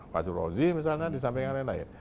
pak jurozi misalnya disamping yang lain lain